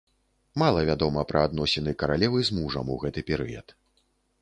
Мала вядома пра адносіны каралевы з мужам у гэты перыяд.